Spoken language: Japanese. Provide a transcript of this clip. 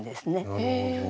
なるほど。